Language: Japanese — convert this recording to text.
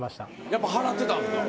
やっぱ払ってたんですか？